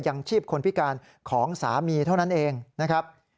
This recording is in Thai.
ยังชีพคนพิการของสามีเท่านั้นเองนะครับ